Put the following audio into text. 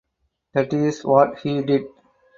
That is what he did.